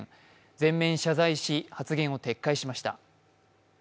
全面謝罪し、発言を撤回しました。